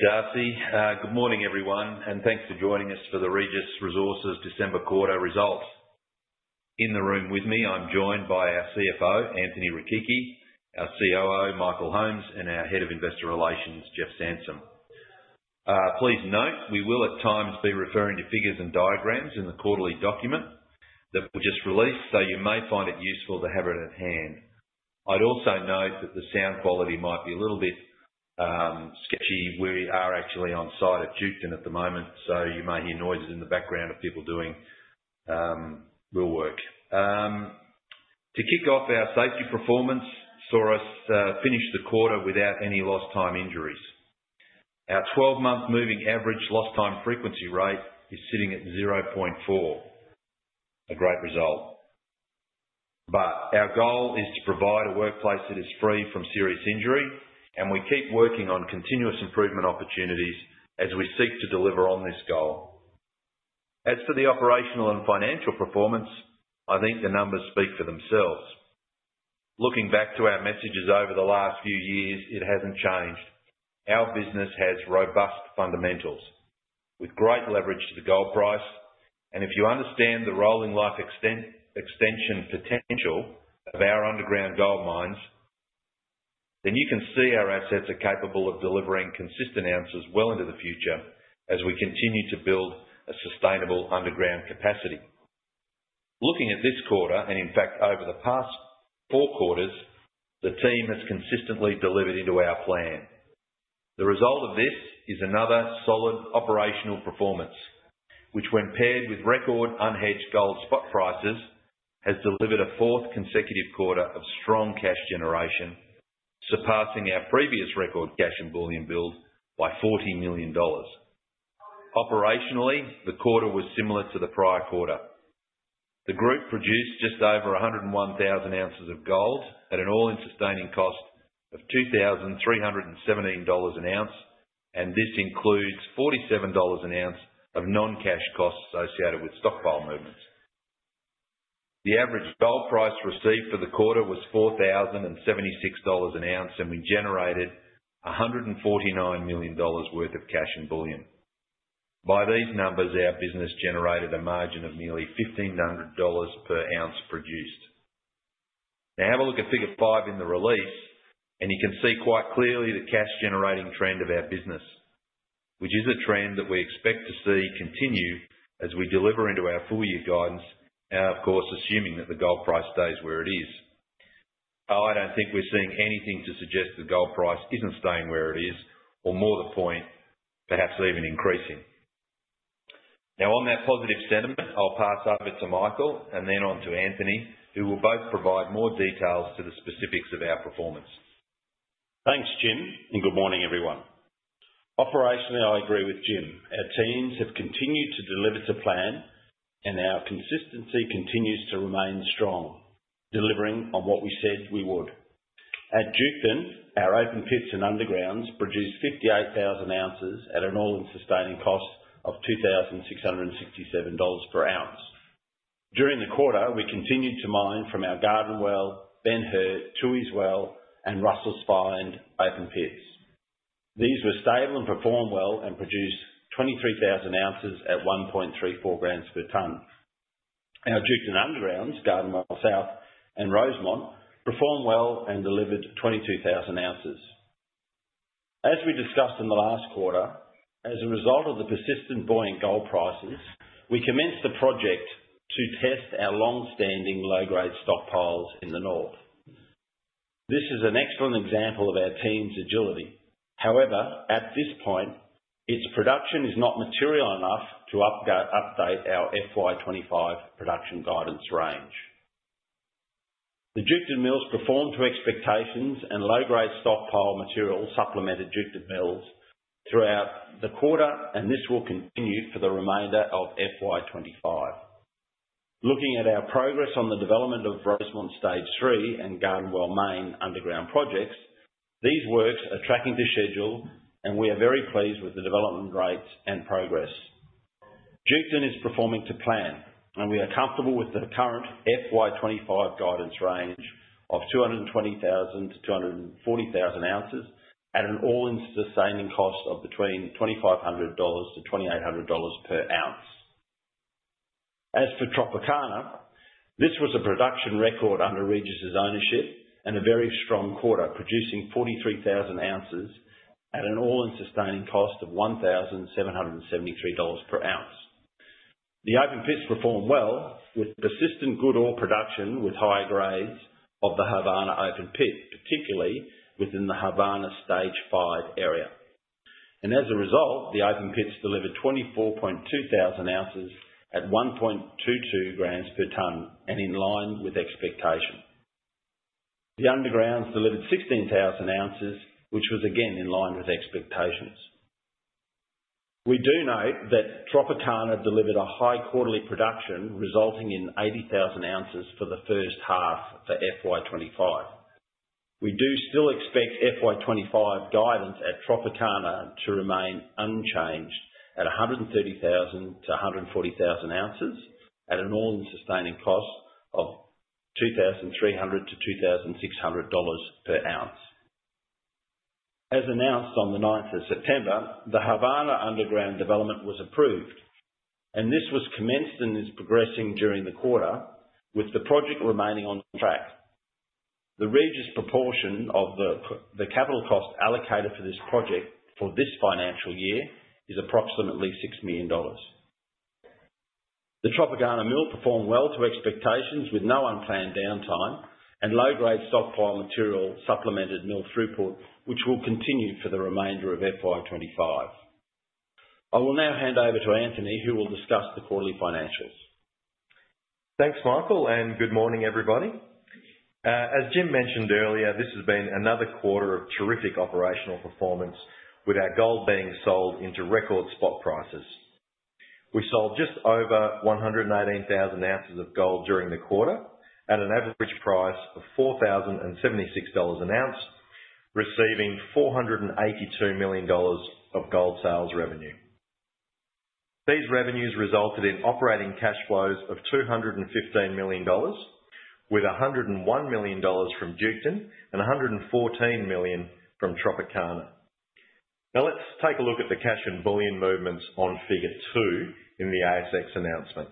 Hey, Fidelity. Good morning, everyone, and thanks for joining us for the Regis Resources December Quarter results. In the room with me, I'm joined by our CFO, Anthony Rechichi, our COO, Michael Holmes, and our Head of Investor Relations, Jeff Sansom. Please note we will at times be referring to figures and diag in the quarterly document that we just released, so you may find it useful to have it at hand. I'd also note that the sound quality might be a little bit sketchy. We are actually on the side of Duketon at the moment, so you may hear noises in the background of people doing real work. To kick off, our safety performance saw us finish the quarter without any lost-time injuries. Our 12-month moving average lost-time frequency rate is sitting at 0.4, a great result. Our goal is to provide a workplace that is free from serious injury, and we keep working on continuous improvement opportunities as we seek to deliver on this goal. As for the operational and financial performance, I think the numbers speak for themselves. Looking back to our messages over the last few years, it hasn't changed. Our business has robust fundamentals with great leverage to the gold price, and if you understand the rolling life extension potential of our underground gold mines, then you can see our assets are capable of delivering consistent answers well into the future as we continue to build a sustainable underground capacity. Looking at this quarter, and in fact over the past four quarters, the team has consistently delivered into our plan. The result of this is another solid operational performance, which, when paired with record unhedged gold spot prices, has delivered a fourth consecutive quarter of strong cash generation, surpassing our previous record cash and bullion build by 40 million dollars. Operationally, the quarter was similar to the prior quarter. The group produced just over 101,000 oz of gold at an all-in sustaining cost of 2,317 dollars an ounce, and this includes 47 dollars an ounce of non-cash costs associated with stockpile movements. The average gold price received for the quarter was 4,076 dollars an ounce, and we generated 149 million dollars worth of cash and bullion. By these numbers, our business generated a margin of nearly 1,500 dollars per ounce produced. Now, have a look at Figure 5 in the release, and you can see quite clearly the cash-generating trend of our business, which is a trend that we expect to see continue as we deliver into our full-year guidance, of course, assuming that the gold price stays where it is. I don't think we're seeing anything to suggest the gold price isn't staying where it is, or more to the point, perhaps even increasing. Now, on that positive sentiment, I'll pass over to Michael and then on to Anthony, who will both provide more details to the specifics of our performance. Thanks, Jim, and good morning, everyone. Operationally, I agree with Jim. Our teams have continued to deliver to plan, and our consistency continues to remain strong, delivering on what we said we would. At Duketon, our open pits and undergrounds produced 58,000 oz at an all-in sustaining cost of 2,667 dollars per ounce. During the quarter, we continued to mine from our Garden Well, Ben Hur, Tooheys Well, and Russells Find open pits. These were stable and performed well and produced 23,000 oz at 1.34 g per ton. Our Duketon undergrounds, Garden Well South and Rosemont, performed well and delivered 22,000 oz. As we discussed in the last quarter, as a result of the persistent buoyant gold prices, we commenced the project to test our long-standing low-grade stockpiles in the north. This is an excellent example of our team's agility. However, at this point, its production is not material enough to update our FY 2025 production guidance range. The Duketon mills performed to expectations, and low-grade stockpile material supplemented Duketon mills throughout the quarter, and this will continue for the remainder of FY 2025. Looking at our progress on the development of Rosemont Stage 3 and Garden Well Main underground projects, these works are tracking to schedule, and we are very pleased with the development rates and progress. Duketon is performing to plan, and we are comfortable with the current FY 2025 guidance range of 220,000-240,000 oz at an all-in sustaining cost of between 2,500-2,800 dollars per ounce. As for Tropicana, this was a production record under Regis's ownership and a very strong quarter, producing 43,000 oz at an all-in sustaining cost of 1,773 dollars per ounce. The open pits performed well with persistent good ore production with higher grades of the Havana open pit, particularly within the Havana Stage 5 area. As a result, the open pits delivered 24,200 oz at 1.22 g per ton and in line with expectation. The undergrounds delivered 16,000 oz, which was again in line with expectations. We do note that Tropicana delivered a high quarterly production, resulting in 80,000 oz for the first half for FY 2025. We do still expect FY 2025 guidance at Tropicana to remain unchanged at 130,000 oz-140,000 oz at an all-in sustaining cost of 2,300-2,600 dollars per ounce. As announced on the 9th of September, the Havana underground development was approved, and this was commenced and is progressing during the quarter, with the project remaining on track. The Regis proportion of the capital cost allocated for this project for this financial year is approximately 6 million dollars. The Tropicana mill performed well to expectations with no unplanned downtime and low-grade stockpile material supplemented mill throughput, which will continue for the remainder of FY 2025. I will now hand over to Anthony, who will discuss the quarterly financials. Thanks, Michael, and good morning, everybody. As Jim mentioned earlier, this has been another quarter of terrific operational performance, with our gold being sold into record spot prices. We sold just over 118,000 oz of gold during the quarter at an average price of 4,076 dollars an ounce, receiving 482 million dollars of gold sales revenue. These revenues resulted in operating cash flows of 215 million dollars, with 101 million dollars from Duketon and 114 million from Tropicana. Now, let's take a look at the cash and bullion movements on Figure 2 in the ASX announcement.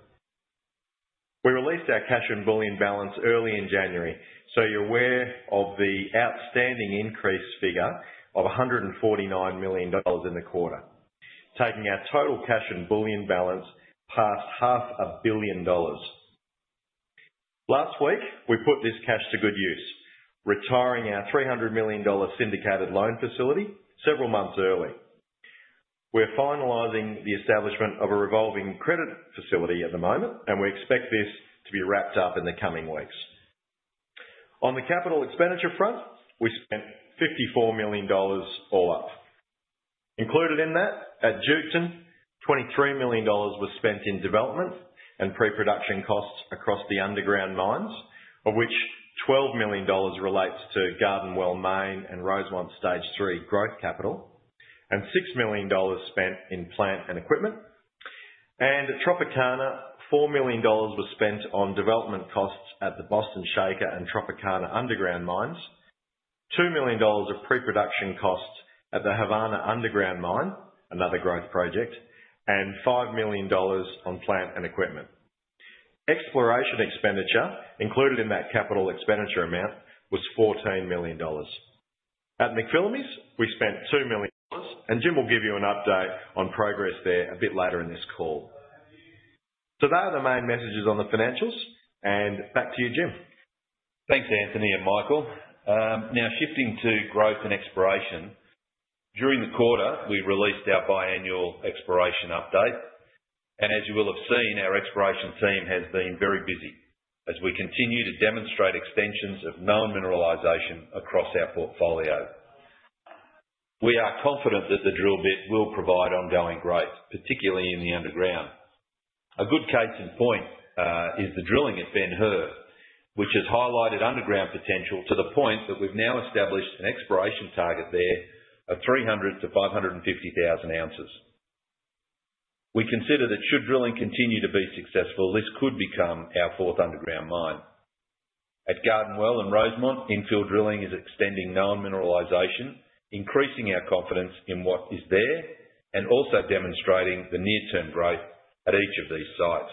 We released our cash and bullion balance early in January, so you're aware of the outstanding increase figure of 149 million dollars in the quarter, taking our total cash and bullion balance past 500 million dollars. Last week, we put this cash to good use, retiring our 300 million dollar syndicated loan facility several months early. We're finalizing the establishment of a revolving credit facility at the moment, and we expect this to be wrapped up in the coming weeks. On the capital expenditure front, we spent 54 million dollars all up. Included in that, at Duketon, 23 million dollars was spent in development and pre-production costs across the underground mines, of which 12 million dollars relates to Garden Well Main and Rosemont Stage 3 growth capital, and 6 million dollars spent in plant and equipment, and at Tropicana, 4 million dollars was spent on development costs at the Boston Shaker and Tropicana underground mines, 2 million dollars of pre-production costs at the Havana underground mine, another growth project, and 5 million dollars on plant and equipment. Exploration expenditure included in that capital expenditure amount was 14 million dollars. At McPhillamys, we spent 2 million dollars, and Jim will give you an update on progress there a bit later in this call. So they are the main messages on the financials, and back to you, Jim. Thanks, Anthony and Michael. Now, shifting to Growth and Exploration, during the quarter, we released our biannual Exploration update, and as you will have seen, our Exploration team has been very busy as we continue to demonstrate extensions of known mineralization across our portfolio. We are confident that the drill bit will provide ongoing growth, particularly in the underground. A good case in point is the drilling at Ben Hur, which has highlighted underground potential to the point that we've now established an Exploration target there of 300,000 oz-550,000 oz. We consider that should drilling continue to be successful, this could become our fourth underground mine. At Garden Well and Rosemont, infill drilling is extending known mineralization, increasing our confidence in what is there and also demonstrating the near-term growth at each of these sites.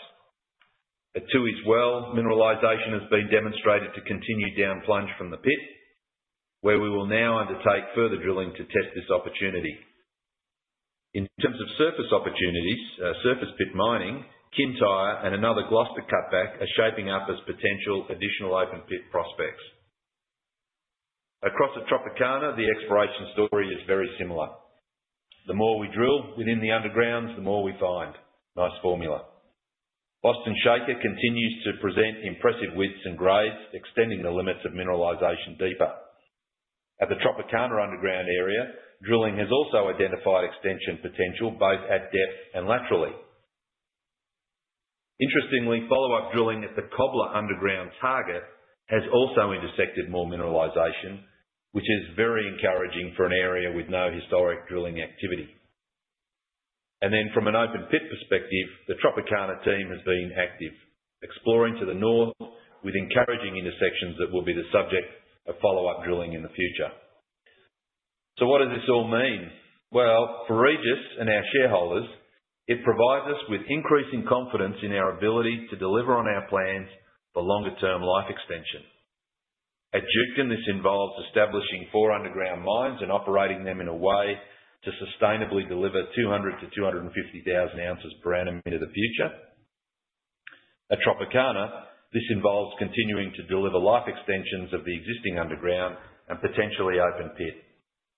At Tooheys Well, mineralization has been demonstrated to continue down plunge from the pit, where we will now undertake further drilling to test this opportunity. In terms of surface opportunities, surface pit mining, Kintyre, and another Gloster cutback are shaping up as potential additional open pit prospects. Across at Tropicana, the Exploration story is very similar. The more we drill within the undergrounds, the more we find, nice formula. Boston Shaker continues to present impressive widths and grades, extending the limits of mineralization deeper. At the Tropicana underground area, drilling has also identified extension potential both at depth and laterally. Interestingly, follow-up drilling at the Cobbler underground target has also intersected more mineralization, which is very encouraging for an area with no historic drilling activity. And then, from an open pit perspective, the Tropicana team has been active, exploring to the north with encouraging intersections that will be the subject of follow-up drilling in the future. So what does this all mean? Well, for Regis and our shareholders, it provides us with increasing confidence in our ability to deliver on our plans for longer-term life extension. At Duketon, this involves establishing four underground mines and operating them in a way to sustainably deliver 200,000 oz-250,000 oz per annum into the future. At Tropicana, this involves continuing to deliver life extensions of the existing underground and potentially open pit,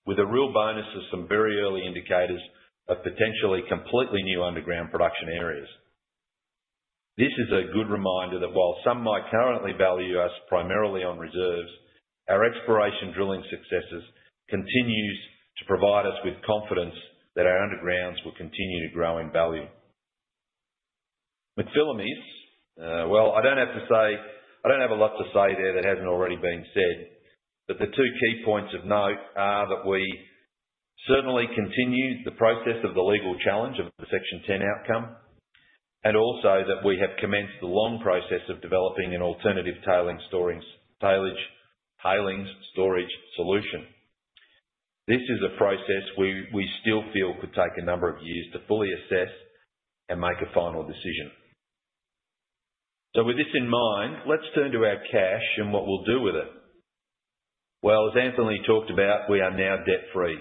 with a real bonus of some very early indicators of potentially completely new underground production areas. This is a good reminder that while some might currently value us primarily on reserves, our Exploration drilling successes continue to provide us with confidence that our undergrounds will continue to grow in value. McPhillamys, well, I don't have to say I don't have a lot to say there that hasn't already been said, but the two key points of note are that we certainly continue the process of the legal challenge of the Section 10 outcome, and also that we have commenced the long process of developing an alternative tailings storage solution. This is a process we still feel could take a number of years to fully assess and make a final decision. So with this in mind, let's turn to our cash and what we'll do with it. Well, as Anthony talked about, we are now debt-free.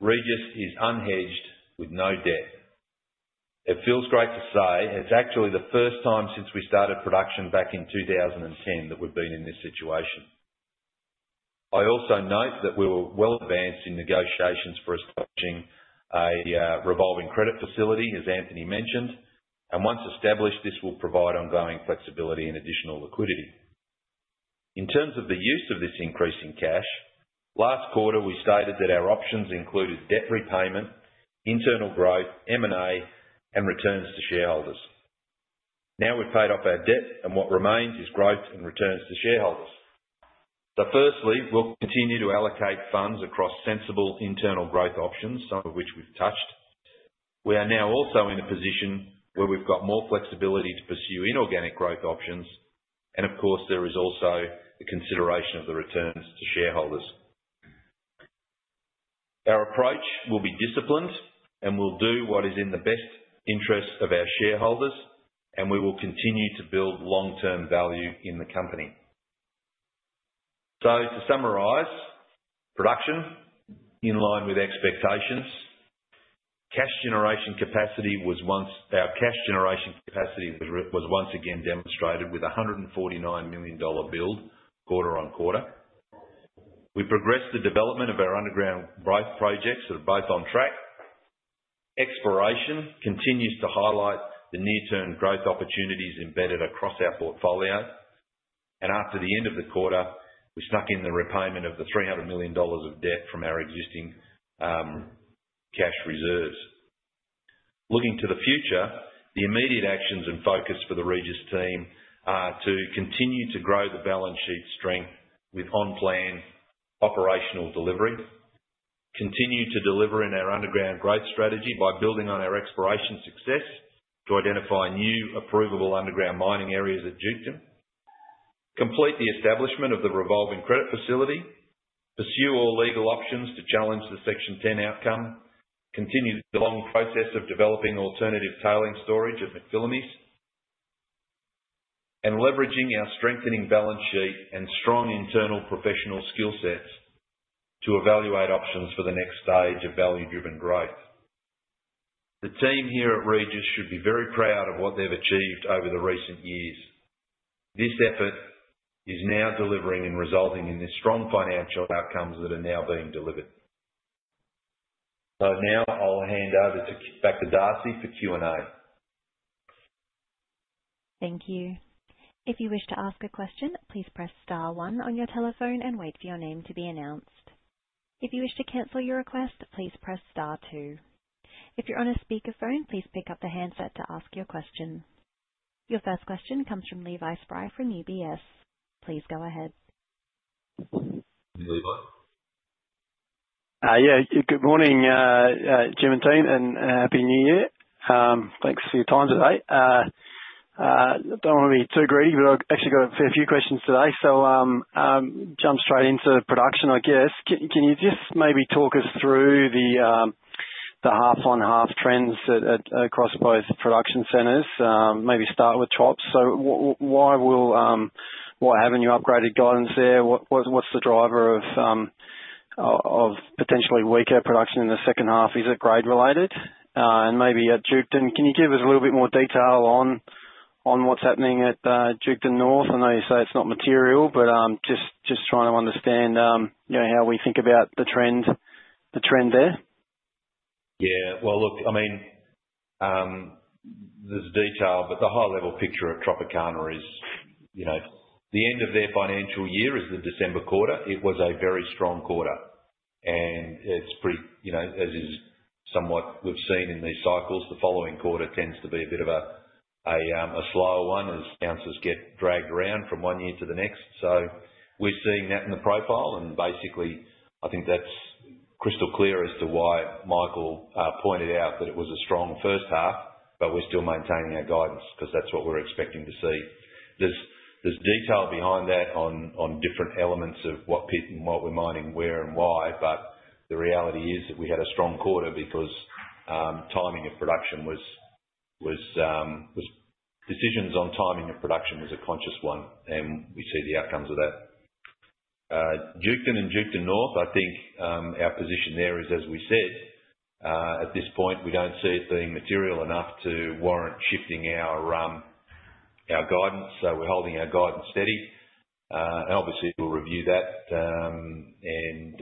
Regis is unhedged with no debt. It feels great to say it's actually the first time since we started production back in 2010 that we've been in this situation. I also note that we were well advanced in negotiations for establishing a revolving credit facility, as Anthony mentioned, and once established, this will provide ongoing flexibility and additional liquidity. In terms of the use of this increase in cash, last quarter we stated that our options included debt repayment, internal growth, M&A, and returns to shareholders. Now we've paid off our debt, and what remains is growth and returns to shareholders. So firstly, we'll continue to allocate funds across sensible internal growth options, some of which we've touched. We are now also in a position where we've got more flexibility to pursue inorganic growth options, and of course, there is also the consideration of the returns to shareholders. Our approach will be disciplined and will do what is in the best interest of our shareholders, and we will continue to build long-term value in the company. So to summarize, production in line with expectations, cash generation capacity was once again demonstrated with a 149 million dollar build quarter-on-quarter. We progressed the development of our underground both projects that are both on track. Exploration continues to highlight the near-term growth opportunities embedded across our portfolio, and after the end of the quarter, we snuck in the repayment of the 300 million dollars of debt from our existing cash reserves. Looking to the future, the immediate actions and focus for the Regis team are to continue to grow the balance sheet strength with on-plan operational delivery, continue to deliver in our underground growth strategy by building on our Exploration success to identify new approvable underground mining areas at Duketon, complete the establishment of the revolving credit facility, pursue all legal options to challenge the Section 10 outcome, continue the long process of developing alternative tailings storage at McPhillamys, and leveraging our strengthening balance sheet and strong internal professional skill sets to evaluate options for the next stage of value-driven growth. The team here at Regis should be very proud of what they've achieved over the recent years. This effort is now delivering and resulting in the strong financial outcomes that are now being delivered. So now I'll hand over back to Darcy for Q&A. Thank you. If you wish to ask a question, please press star one on your telephone and wait for your name to be announced. If you wish to cancel your request, please press star two. If you're on a speakerphone, please pick up the handset to ask your question. Your first question comes from Levi Spry from UBS. Please go ahead. Levi? Yeah, good morning, Jim and Team, and happy new year. Thanks for your time today. I don't want to be too greedy, but I've actually got a fair few questions today, so jump straight into production, I guess. Can you just maybe talk us through the half-on-half trends across both production centers? Maybe start with Tropicana. So why haven't you upgraded guidance there? What's the driver of potentially weaker production in the second half? Is it grade-related? And maybe at Duketon, can you give us a little bit more detail on what's happening at Duketon North? I know you say it's not material, but just trying to understand how we think about the trend there. Yeah. Well, look, I mean, there's detail, but the high-level picture at Tropicana is the end of their financial year is the December quarter. It was a very strong quarter, and it's pretty, as we've somewhat seen in these cycles, the following quarter tends to be a bit of a slower one as ounces get dragged around from one year to the next. So we're seeing that in the profile, and basically, I think that's crystal clear as to why Michael pointed out that it was a strong first half, but we're still maintaining our guidance because that's what we're expecting to see. There's detail behind that on different elements of what pit and what we're mining, where and why, but the reality is that we had a strong quarter because decisions on timing of production was a conscious one, and we see the outcomes of that. Duketon and Duketon North, I think our position there is, as we said, at this point, we don't see it being material enough to warrant shifting our guidance, so we're holding our guidance steady. Obviously, we'll review that, and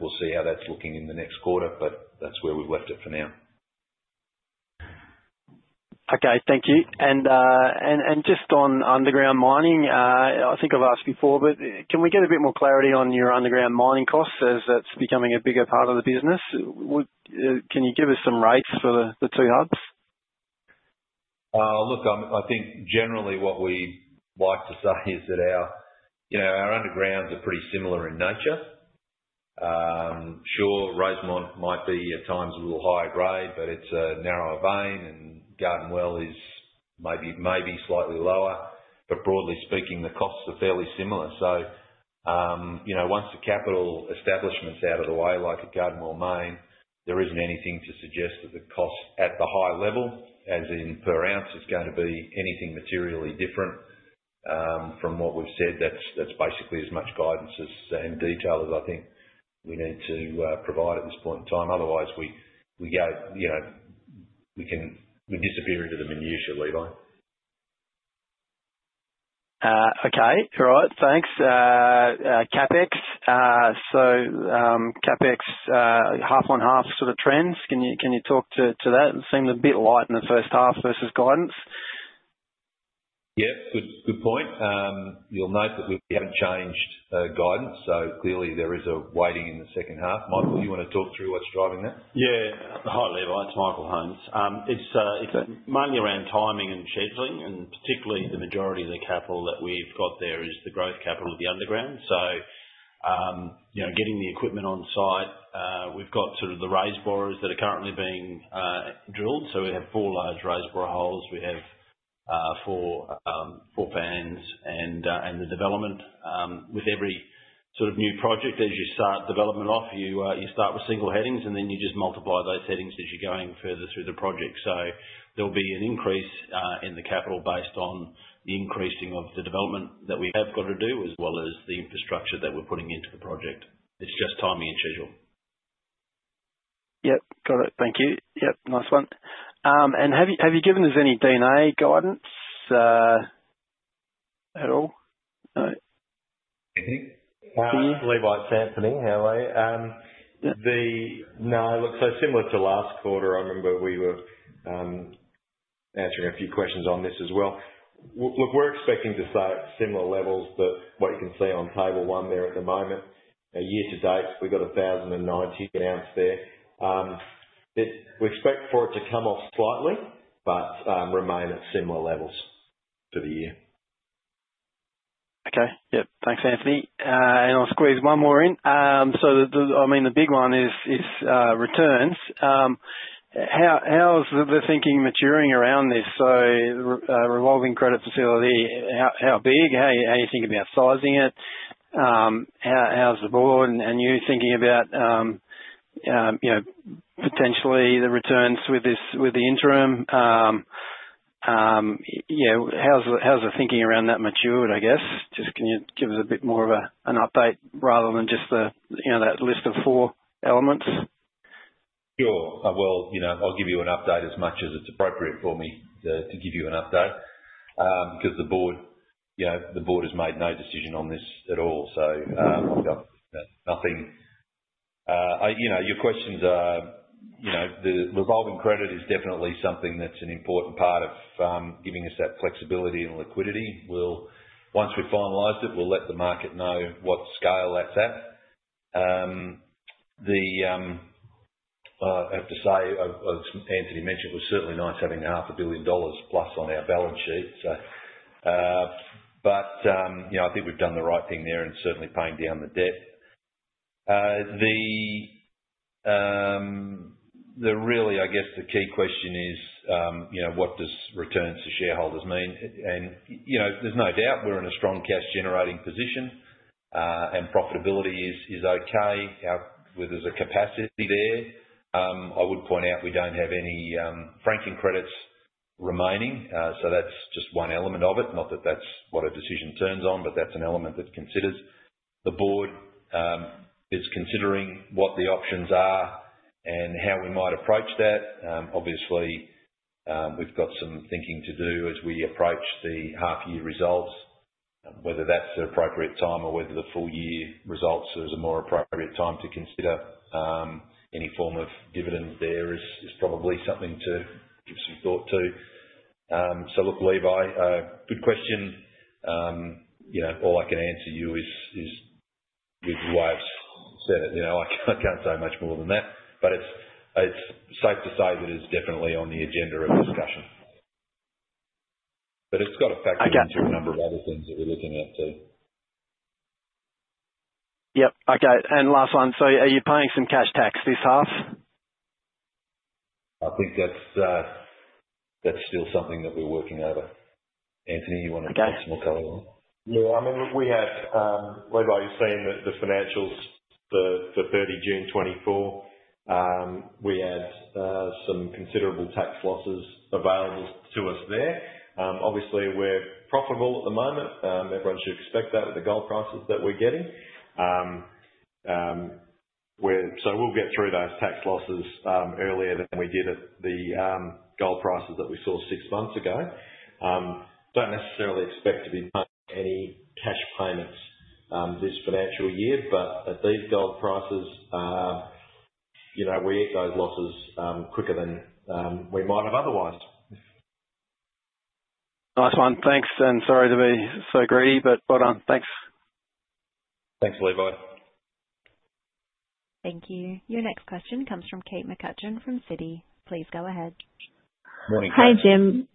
we'll see how that's looking in the next quarter, but that's where we've left it for now. Okay, thank you. And just on underground mining, I think I've asked before, but can we get a bit more clarity on your underground mining costs as that's becoming a bigger part of the business? Can you give us some rates for the two hubs? Look, I think generally what we like to say is that our undergrounds are pretty similar in nature. Sure, Rosemont might be at times, a little higher grade, but it's a narrower vein, and Garden Well is maybe slightly lower, but broadly speaking, the costs are fairly similar. So once the capital establishment's out of the way, like at Garden Well Main, there isn't anything to suggest that the cost at the high level, as in per ounce, is going to be anything materially different. From what we've said, that's basically as much guidance and detail as I think we need to provide at this point in time. Otherwise, we disappear into the minutia, Levi. Okay. All right. Thanks. CapEx, so CapEx half-on-half sort of trends, can you talk to that? It seemed a bit light in the first half versus guidance. Yeah, good point. You'll note that we haven't changed guidance, so clearly there is a weighting in the second half. Michael, you want to talk through what's driving that? Yeah. Hi, Levi. It's Michael Holmes. It's mainly around timing and scheduling, and particularly the majority of the capital that we've got there is the growth capital of the underground. So getting the equipment on site, we've got sort of the raise bore holes that are currently being drilled. So we have four large raise bore holes. We have four fans and the development. With every sort of new project, as you start development off, you start with single headings, and then you just multiply those headings as you're going further through the project. So there'll be an increase in the capital based on the increasing of the development that we have got to do, as well as the infrastructure that we're putting into the project. It's just timing and schedule. Yep. Got it. Thank you. Yep. Nice one. And have you given us any D&A guidance at all? Anthony? Levi, it's Anthony, how are you? No, look, so similar to last quarter, I remember we were answering a few questions on this as well. Look, we're expecting to start at similar levels, but what you can see on table one there at the moment, year-to-date, we've got 1,090 an ounce there. We expect for it to come off slightly, but remain at similar levels for the year. Okay. Yep. Thanks, Anthony. And I'll squeeze one more in. So I mean, the big one is returns. How's the thinking maturing around this? So revolving credit facility, how big? How are you thinking about sizing it? How's the board? And you thinking about potentially the returns with the interim? Yeah. How's the thinking around that matured, I guess? Just can you give us a bit more of an update rather than just that list of four elements? Sure. Well, I'll give you an update as much as it's appropriate for me to give you an update because the board has made no decision on this at all, so I've got nothing. Your questions, the revolving credit is definitely something that's an important part of giving us that flexibility and liquidity. Once we've finalized it, we'll let the market know what scale that's at. I have to say, as Anthony mentioned, it was certainly nice having 500 million dollars plus on our balance sheet. But I think we've done the right thing there in certainly paying down the debt. Really, I guess the key question is, what does returns to shareholders mean? And there's no doubt we're in a strong cash-generating position, and profitability is okay. There's a capacity there. I would point out we don't have any franking credits remaining, so that's just one element of it. Not that that's what a decision turns on, but that's an element that considers. The board is considering what the options are and how we might approach that. Obviously, we've got some thinking to do as we approach the half-year results, whether that's the appropriate time or whether the full-year results is a more appropriate time to consider. Any form of dividend there is probably something to give some thought to. So look, Levi, good question. All I can answer you is with the way I've said it, I can't say much more than that. But it's safe to say that it's definitely on the agenda of discussion. But it's got a factor into a number of other things that we're looking at too. Yep. Okay. And last one. So are you paying some cash tax this half? I think that's still something that we're working over. Anthony, you want to add some more color on it? Yeah. I mean, we had, Levi, you're saying that the financials for 30 June 2024, we had some considerable tax losses available to us there. Obviously, we're profitable at the moment. Everyone should expect that with the gold prices that we're getting. So we'll get through those tax losses earlier than we did at the gold prices that we saw six months ago. Don't necessarily expect to be paying any cash payments this financial year, but at these gold prices, we eat those losses quicker than we might have otherwise. Nice one. Thanks, and sorry to be so greedy, but well done. Thanks. Thanks, Levi. Thank you. Your next question comes from Kate McCutcheon from Citi. Please go ahead. Morning, Kat. Hi, Jim.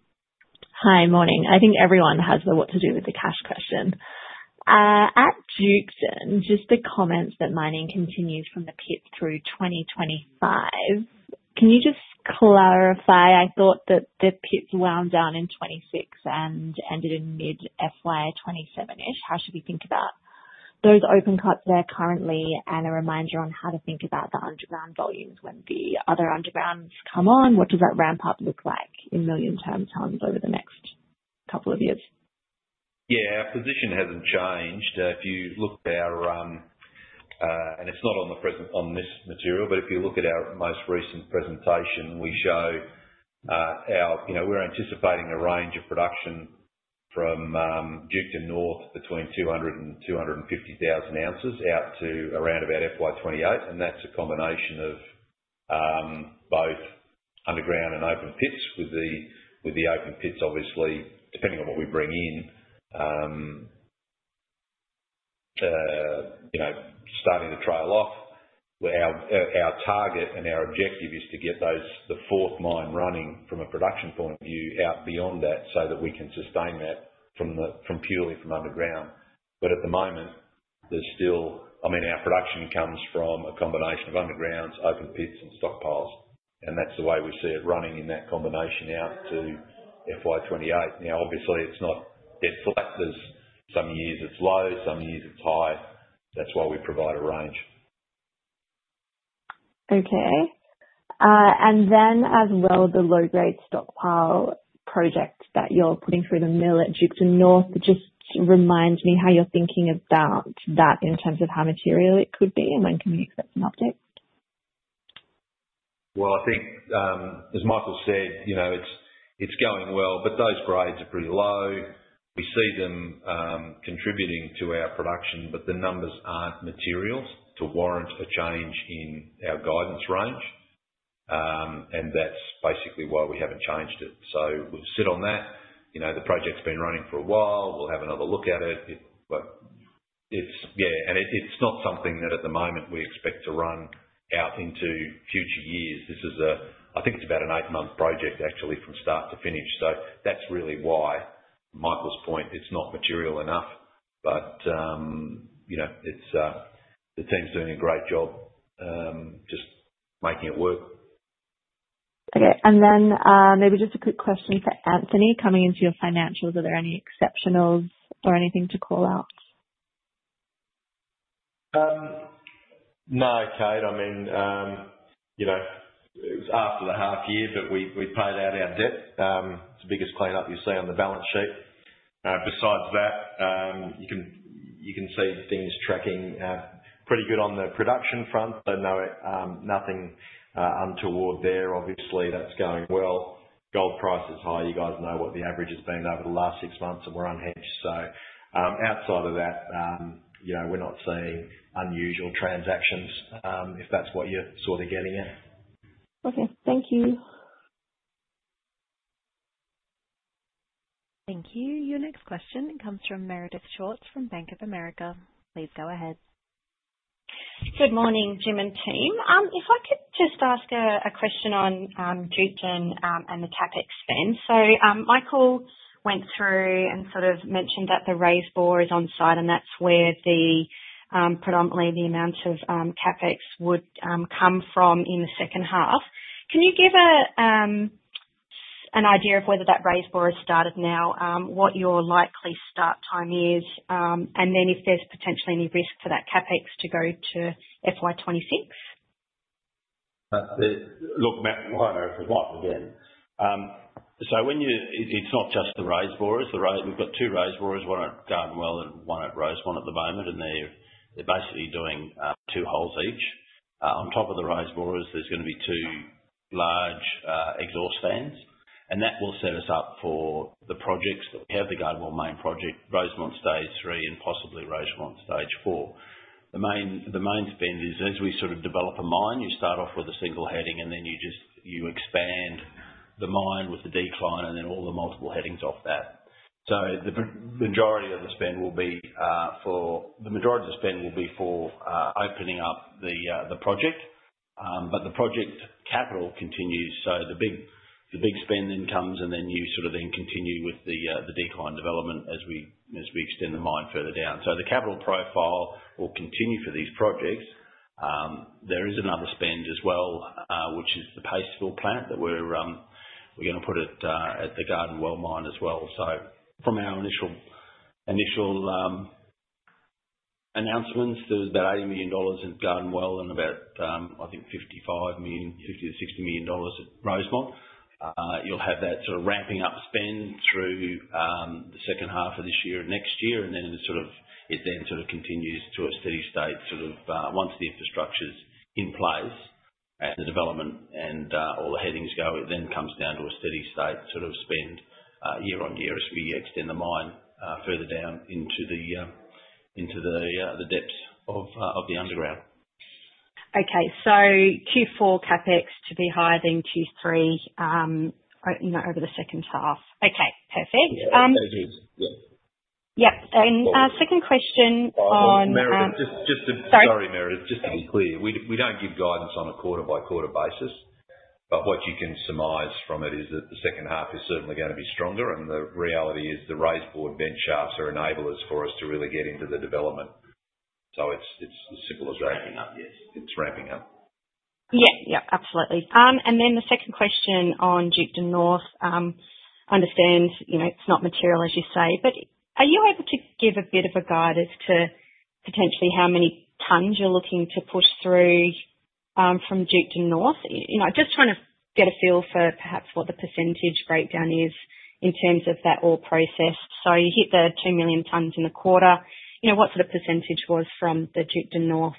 Hi, morning. I think everyone has the what-to-do-with-the-cash question. At Duketon, just the comments that mining continues from the pit through 2025. Can you just clarify? I thought that the pits wound down in 2026 and ended in mid-FY 2027-ish. How should we think about those open cuts there currently and a reminder on how to think about the underground volumes when the other undergrounds come on? What does that ramp-up look like in million tons over the next couple of years? Yeah. Our position hasn't changed. If you look at our, and it's not on this material, but if you look at our most recent presentation, we show we're anticipating a range of production from Duketon North between 200,000 oz and 250,000 oz out to around about FY 2028. And that's a combination of both underground and open pits, with the open pits, obviously, depending on what we bring in, starting to trail off. Our target and our objective is to get the fourth mine running from a production point of view out beyond that so that we can sustain that purely from underground. But at the moment, there's still, I mean, our production comes from a combination of undergrounds, open pits, and stockpiles. And that's the way we see it running in that combination out to FY 2028. Now, obviously, it's not dead flat. There's some years it's low, some years it's high. That's why we provide a range. Okay. And then, as well, the low-grade stockpile project that you're putting through the mill at Duketon North, just remind me how you're thinking about that in terms of how material it could be and when can we expect an update? I think, as Michael said, it's going well, but those grades are pretty low. We see them contributing to our production, but the numbers aren't material to warrant a change in our guidance range. That's basically why we haven't changed it. We'll sit on that. The project's been running for a while. We'll have another look at it. Yeah. It's not something that at the moment we expect to run out into future years. I think it's about an eight-month project, actually, from start to finish. That's really why Michael's point. It's not material enough, but the team's doing a great job just making it work. Okay. And then maybe just a quick question for Anthony. Coming into your financials, are there any exceptionals or anything to call out? No, Kate. I mean, it was after the half-year that we paid out our debt. It's the biggest cleanup you see on the balance sheet. Besides that, you can see things tracking pretty good on the production front. So nothing untoward there. Obviously, that's going well. Gold price is high. You guys know what the average has been over the last six months, and we're unhedged. So outside of that, we're not seeing unusual transactions, if that's what you're sort of getting at. Okay. Thank you. Thank you. Your next question comes from Meredith Schwarz from Bank of America. Please go ahead. Good morning, Jim and team. If I could just ask a question on Duketon and the CapEx spend. So Michael went through and sort of mentioned that the raise borer is on site, and that's where predominantly the amounts of CapEx would come from in the second half. Can you give an idea of whether that raise borer is started now, what your likely start time is, and then if there's potentially any risk for that CapEx to go to FY 2026? Look, I don't know if it's likely then. So it's not just the raise borer. We've got two raise borers, one at Garden Well and one at Rosemont at the moment, and they're basically doing two holes each. On top of the raise borers, there's going to be two large exhaust fans, and that will set us up for the projects that we have: the Garden Well main project, Rosemont Stage 3, and possibly Rosemont Stage 4. The main spend is, as we sort of develop a mine, you start off with a single heading, and then you expand the mine with the decline and then all the multiple headings off that. So the majority of the spend will be for opening up the project, but the project capital continues. The big spend then comes, and then you sort of then continue with the decline development as we extend the mine further down. The capital profile will continue for these projects. There is another spend as well, which is the paste fill plant that we're going to put at the Garden Well mine as well. From our initial announcements, there was about 80 million dollars in Garden Well and about, I think, 50 million-60 million dollars at Rosemont. You'll have that sort of ramping up spend through the second half of this year and next year, and then it then sort of continues to a steady state sort of once the infrastructure's in place and the development and all the headings go. It then comes down to a steady state sort of spend year on year as we extend the mine further down into the depths of the underground. Okay. So Q4 CapEx to be higher than Q3 over the second half. Okay. Perfect. Yep, and second question on. Sorry, Meredith. Just to be clear, we don't give guidance on a quarter-by-quarter basis, but what you can surmise from it is that the second half is certainly going to be stronger. And the reality is the raise borer vent shafts are enablers for us to really get into the development. So it's as simple as that. It's ramping up, yes. Yeah. Yep. Absolutely. And then the second question on Duketon North, I understand it's not material, as you say, but are you able to give a bit of a guide as to potentially how many tons you're looking to push through from Duketon North? Just trying to get a feel for perhaps what the percentage breakdown is in terms of that all processed. So you hit the 2 million tons in the quarter. What sort of percentage was from the Duketon North?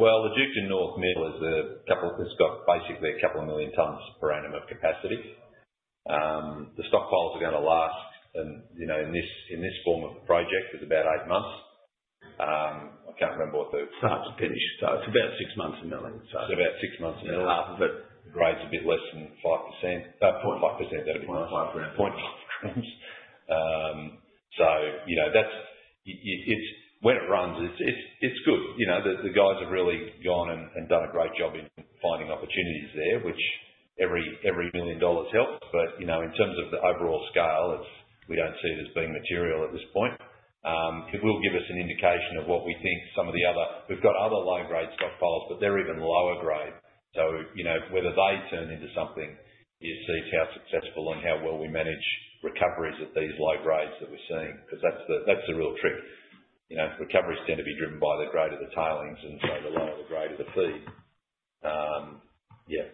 The Duketon North mill has got basically a couple of million tons per annum of capacity. The stockpiles are going to last, and in this form of project, it's about eight months. I can't remember what the. Start to finish, it's about six months a million. Half of it grades a bit less than 5%. About 0.5%. About 0.5 g. About 0.5 g. So when it runs, it's good. The guys have really gone and done a great job in finding opportunities there, which every 1 million dollars helps. But in terms of the overall scale, we don't see it as being material at this point. It will give us an indication of what we think some of the other. We've got other low-grade stockpiles, but they're even lower grade. So whether they turn into something, you see how successful and how well we manage recoveries at these low grades that we're seeing because that's the real trick. Recoveries tend to be driven by the grade of the tailings, and so the lower, the greater the fee. Yeah.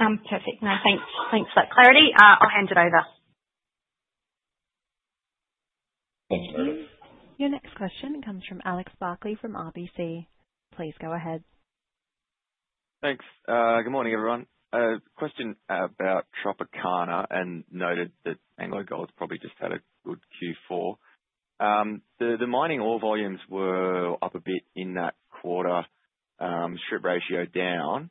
Perfect. Thanks for that clarity. I'll hand it over. Thanks, Meredith. Your next question comes from Alex Barkley from RBC. Please go ahead. Thanks. Good morning, everyone. Question about Tropicana and noted that AngloGold's probably just had a good Q4. The mining ore volumes were up a bit in that quarter, strip ratio down.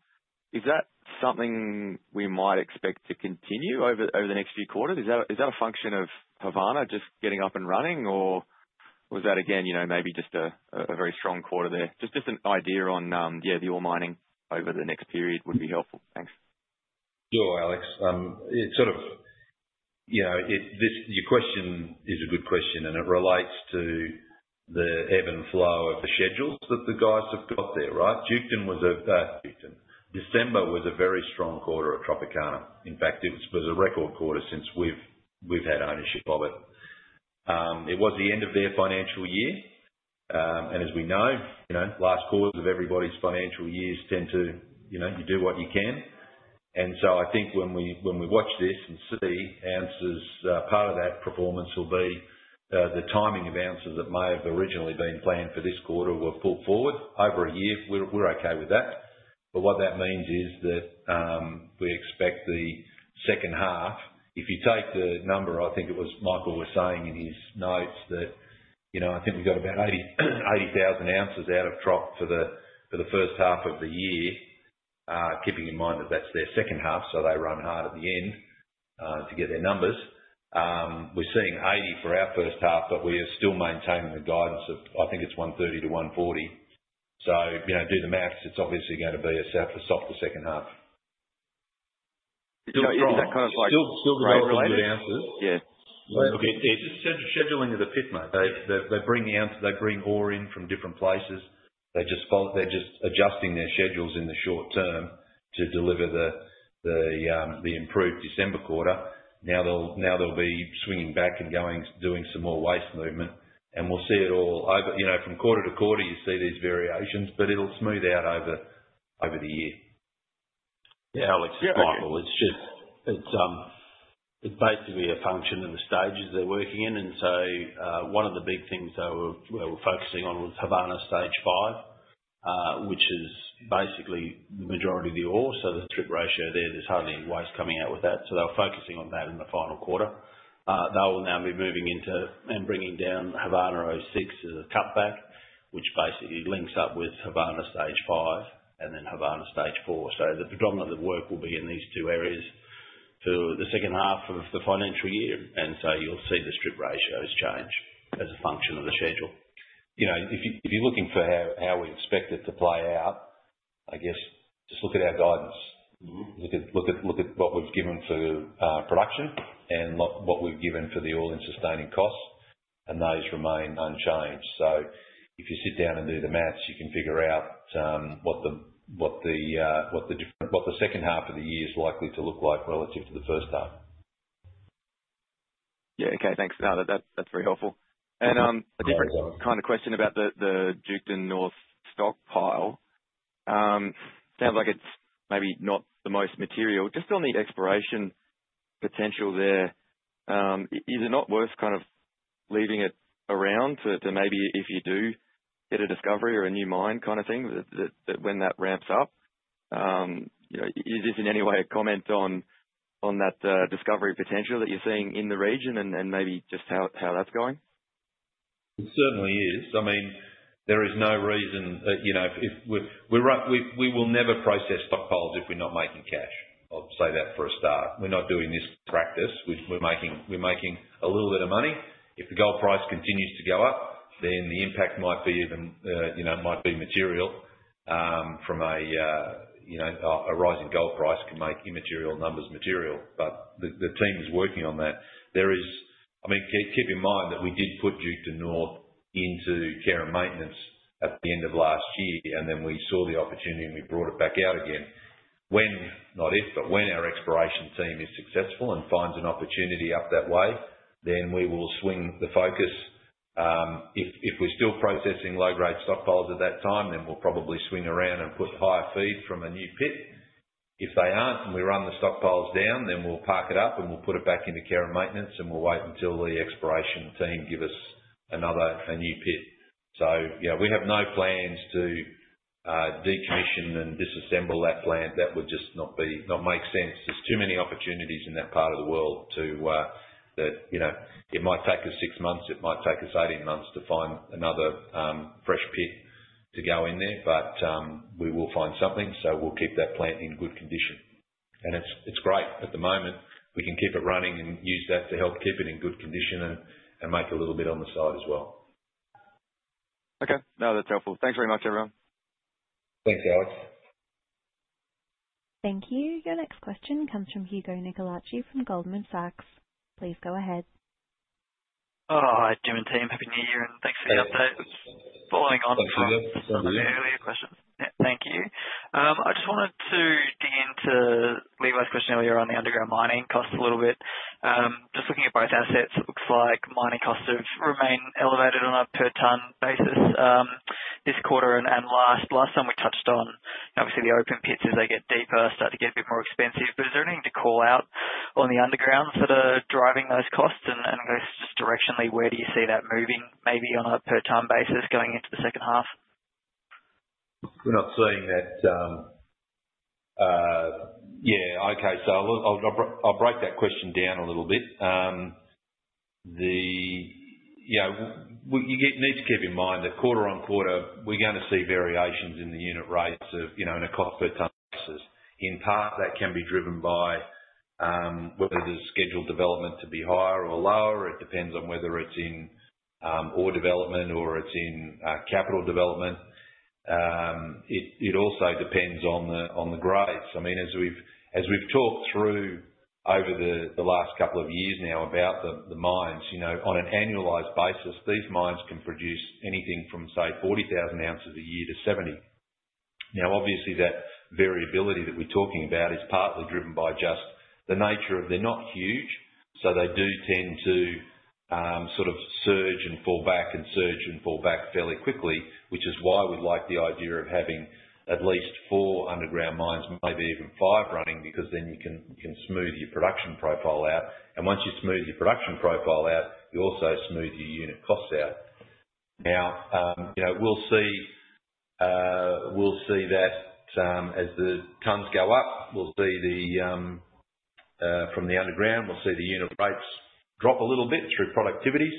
Is that something we might expect to continue over the next few quarters? Is that a function of Havana just getting up and running, or was that, again, maybe just a very strong quarter there? Just an idea on, yeah, the ore mining over the next period would be helpful. Thanks. Sure, Alex. It's sort of your question is a good question, and it relates to the ebb and flow of the schedules that the guys have got there, right? December was a very strong quarter at Tropicana. In fact, it was a record quarter since we've had ownership of it. It was the end of their financial year. And as we know, last quarters of everybody's financial years tend to, you do what you can. And so I think when we watch this and see tonnes, part of that performance will be the timing of ounces that may have originally been planned for this quarter were pulled forward over a year. We're okay with that. But what that means is that we expect the second half. If you take the number, I think it was Michael was saying in his notes that I think we've got about 80,000 oz out of Tropicana for the first half of the year, keeping in mind that that's their second half, so they run hard at the end to get their numbers. We're seeing 80,000 oz for our first half, but we are still maintaining the guidance of, I think it's 130,000 oz-140,000 oz. So do the math. It's obviously going to be a softer second half. Is that kind of like? Still the low-grade ounces? Yeah. Look, it's just scheduling of the pit, mate. They bring ore in from different places. They're just adjusting their schedules in the short term to deliver the improved December quarter. Now they'll be swinging back and doing some more waste movement. And we'll see it all over from quarter-to-quarter, you see these variations, but it'll smooth out over the year. Yeah, Alex. Yeah, Michael. It's basically a function of the stages they're working in. And so one of the big things they were focusing on was Havana Stage 5, which is basically the majority of the ore. So the strip ratio there, there's hardly any waste coming out with that. So they're focusing on that in the final quarter. They will now be moving into and bringing down Havana Stage 6 as a cutback, which basically links up with Havana Stage 5 and then Havana Stage 4. So the predominance of the work will be in these two areas for the second half of the financial year. And so you'll see the strip ratios change as a function of the schedule. If you're looking for how we expect it to play out, I guess just look at our guidance. Look at what we've given for production and what we've given for the all-in sustaining costs, and those remain unchanged. So if you sit down and do the math, you can figure out what the second half of the year is likely to look like relative to the first half. Yeah. Okay. Thanks. That's very helpful. And a different kind of question about the Duketon North stockpile. Sounds like it's maybe not the most material. Just on the Exploration potential there, is it not worth kind of leaving it around to maybe, if you do, get a discovery or a new mine kind of thing when that ramps up? Is this in any way a comment on that discovery potential that you're seeing in the region and maybe just how that's going? It certainly is. I mean, there is no reason that we will never process stockpiles if we're not making cash. I'll say that for a start. We're not doing this for practice. We're making a little bit of money. If the gold price continues to go up, then the impact might be even material. A rising gold price can make immaterial numbers material. But the team is working on that. I mean, keep in mind that we did put Duketon North into care and maintenance at the end of last year, and then we saw the opportunity and we brought it back out again. When, not if, but when our Exploration team is successful and finds an opportunity up that way, then we will swing the focus. If we're still processing low-grade stockpiles at that time, then we'll probably swing around and put higher feed from a new pit. If they aren't and we run the stockpiles down, then we'll park it up and we'll put it back into care and maintenance, and we'll wait until the Exploration team give us another new pit. Yeah, we have no plans to decommission and disassemble that plant. That would just not make sense. There's too many opportunities in that part of the world. It might take us six months. It might take us 18 months to find another fresh pit to go in there, but we will find something. We'll keep that plant in good condition, and it's great at the moment. We can keep it running and use that to help keep it in good condition and make a little bit on the side as well. Okay. No, that's helpful. Thanks very much, everyone. Thanks, Alex. Thank you. Your next question comes from Hugo Nicolaci from Goldman Sachs. Please go ahead. Hi, Jim and team. Happy New Year and thanks for the aupdate. Following on from earlier questions. Thank you. I just wanted to dig into Levi's question earlier on the underground mining costs a little bit. Just looking at both assets, it looks like mining costs have remained elevated on a per-ton basis this quarter and last. Last time we touched on, obviously, the open pits, as they get deeper, start to get a bit more expensive. But is there anything to call out on the underground for driving those costs? And I guess just directionally, where do you see that moving maybe on a per-ton basis going into the second half? We're not seeing that. Yeah. Okay. So I'll break that question down a little bit. You need to keep in mind that quarter-on-quarter, we're going to see variations in the unit rates on a cost per ton basis. In part, that can be driven by whether the scheduled development is to be higher or lower. It depends on whether it's stope development or it's capital development. It also depends on the grades. I mean, as we've talked through over the last couple of years now about the mines, on an annualized basis, these mines can produce anything from, say, 40,000 oz a year to 70. Now, obviously, that variability that we're talking about is partly driven by just the nature of they're not huge, so they do tend to sort of surge and fall back and surge and fall back fairly quickly, which is why we'd like the idea of having at least four underground mines, maybe even five running, because then you can smooth your production profile out. And once you smooth your production profile out, you also smooth your unit costs out. Now, we'll see that as the tons go up, we'll see the unit rates drop a little bit through productivities.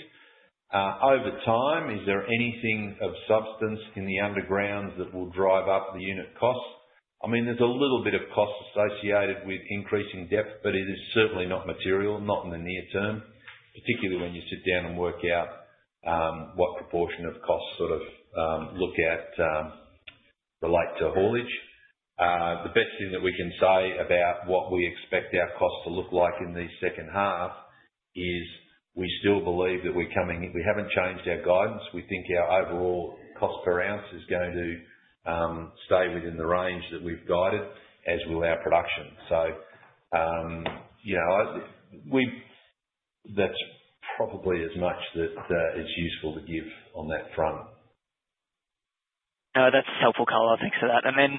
Over time, is there anything of substance in the underground that will drive up the unit costs? I mean, there's a little bit of cost associated with increasing depth, but it is certainly not material, not in the near term, particularly when you sit down and work out what proportion of costs sort of look at relate to haulage. The best thing that we can say about what we expect our costs to look like in the second half is we still believe that we haven't changed our guidance. We think our overall cost per ounce is going to stay within the range that we've guided, as will our production. So that's probably as much that it's useful to give on that front. That's helpful color. Thanks for that. And then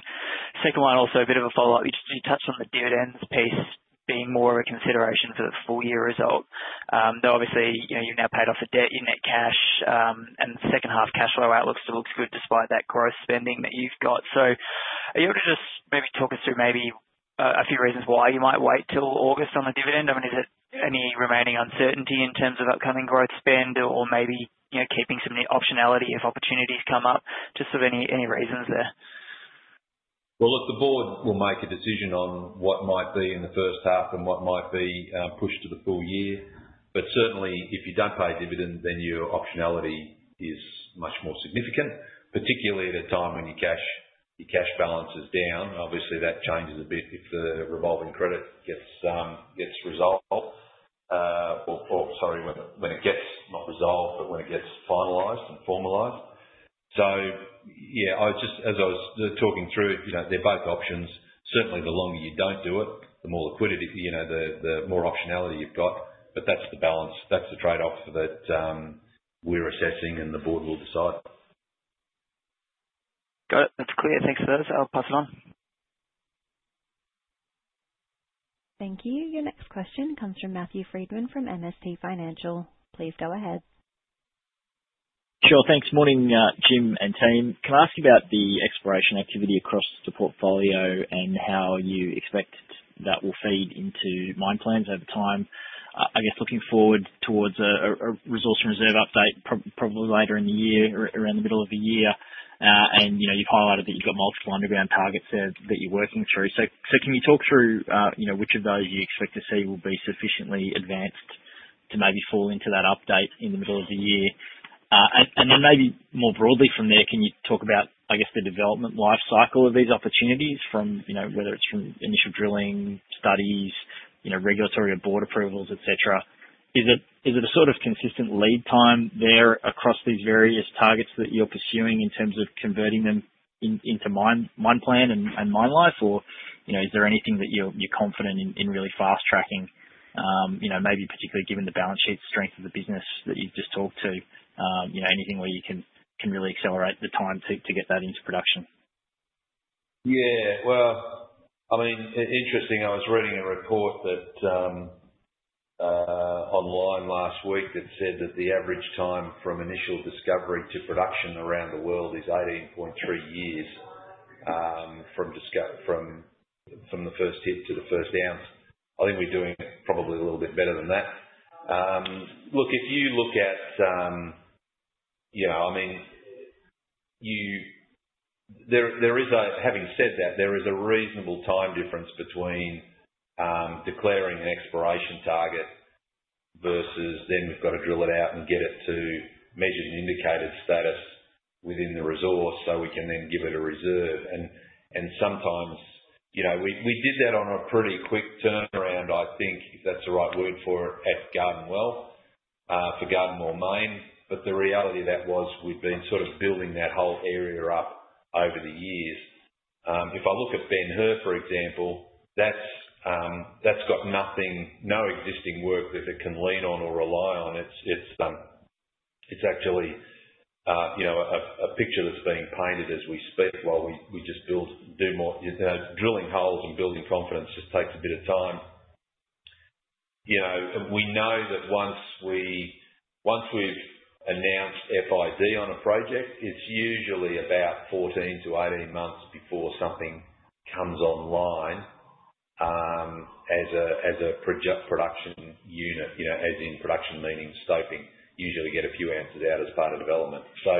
second one, also a bit of a follow-up. You touched on the dividends piece being more of a consideration for the full-year result. Though, obviously, you've now paid off a debt, your net cash, and second half cash flow outlook still looks good despite that gross spending that you've got. So are you able to just maybe talk us through maybe a few reasons why you might wait till August on the dividend? I mean, is there any remaining uncertainty in terms of upcoming growth spend or maybe keeping some of the optionality if opportunities come up? Just sort of any reasons there? Well, look, the board will make a decision on what might be in the first half and what might be pushed to the full year. But certainly, if you don't pay dividend, then your optionality is much more significant, particularly at a time when your cash balance is down. Obviously, that changes a bit if the revolving credit gets resolved. Sorry, when it gets not resolved, but when it gets finalized and formalized. So yeah, as I was talking through, they're both options. Certainly, the longer you don't do it, the more liquidity, the more optionality you've got. But that's the balance. That's the trade-off that we're assessing, and the board will decide. Got it. That's clear. Thanks for those. I'll pass it on. Thank you. Your next question comes from Matthew Frydman from MST Financial. Please go ahead. Sure. Thanks. Morning, Jim and team. Can I ask you about the Exploration activity across the portfolio and how you expect that will feed into mine plans over time? I guess looking forward towards a resource and reserve update probably later in the year, around the middle of the year. And you've highlighted that you've got multiple underground targets there that you're working through. So can you talk through which of those you expect to see will be sufficiently advanced to maybe fall into that update in the middle of the year? And then maybe more broadly from there, can you talk about, I guess, the development life cycle of these opportunities, whether it's from initial drilling, studies, regulatory or board approvals, etc.? Is there a sort of consistent lead time there across these various targets that you're pursuing in terms of converting them into mine plan and mine life, or is there anything that you're confident in really fast tracking, maybe particularly given the balance sheet strength of the business that you've just talked to? Anything where you can really accelerate the time to get that into production? Yeah. Well, I mean, interesting. I was reading a report online last week that said that the average time from initial discovery to production around the world is 18.3 years from the first hit to the first ounce. I think we're doing probably a little bit better than that. Look, if you look at, I mean, having said that, there is a reasonable time difference between declaring an Exploration target versus then we've got to drill it out and get it to measured and indicated status within the resource so we can then give it a reserve. And sometimes we did that on a pretty quick turnaround, I think, if that's the right word for it, at Garden Well for Garden Well Main. But the reality of that was we'd been sort of building that whole area up over the years. If I look at Ben Hur, for example, that's got no existing work that it can lean on or rely on. It's actually a picture that's being painted as we speak while we just do more. Drilling holes and building confidence just takes a bit of time. We know that once we've announced FID on a project, it's usually about 14-18 months before something comes online as a production unit, as in production meaning scoping, usually get a few ounces out as part of development. So